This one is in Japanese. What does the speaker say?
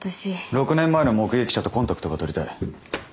６年前の目撃者とコンタクトが取りたい。